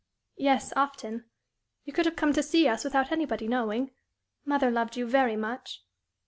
"Yes, often. You could have come to see us without anybody knowing. Mother loved you very much."